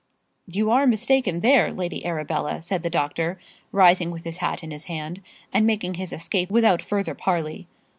"You are mistaken there, Lady Arabella," said the doctor, rising with his hat in his hand and making his escape without further parley.